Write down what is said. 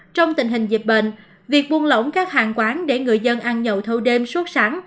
trong tình hình dịch bệnh việc buôn lỏng các hàng quán để người dân ăn nhậu thâu đêm suốt sáng